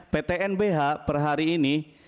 ptnbh per hari ini